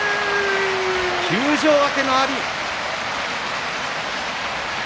休場明けの阿炎。